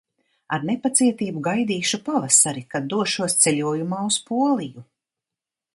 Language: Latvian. Ar nepacietību gaidīšu pavasari, kad došos ceļojumā uz Poliju!